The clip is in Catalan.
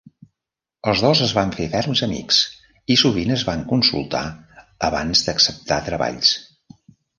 Els dos es van fer ferms amics i sovint es van consultar abans d'acceptar treballs.